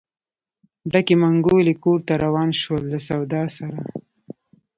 ډکې منګولې کور ته روان شول له سودا سره.